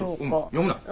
読むな！